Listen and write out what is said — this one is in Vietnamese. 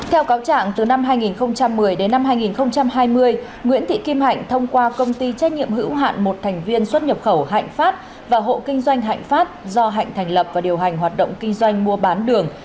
theo cáo trạng từ năm hai nghìn một mươi đến năm hai nghìn hai mươi nguyễn thị kim hạnh thông qua công ty trách nhiệm hữu hạn một thành viên xuất nhập khẩu hạnh phát và hộ kinh doanh hạnh phát do hạnh thành lập và điều hành hoạt động kinh doanh mua bán đường